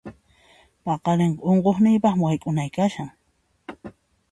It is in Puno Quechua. Paqarinqa unquqniypaqmi wayk'unay kashan.